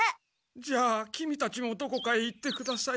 じゃあキミたちもどこかへ行ってください。